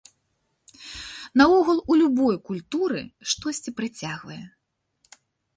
Наогул, у любой культуры штосьці прыцягвае.